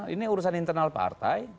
ini urusan internal partai